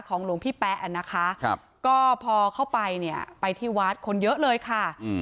หลวงพี่แป๊ะนะคะก็พอเข้าไปเนี่ยไปที่วัดคนเยอะเลยค่ะ